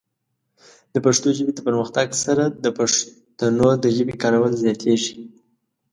د پښتو ژبې د پرمختګ سره، د پښتنو د ژبې کارول زیاتېږي.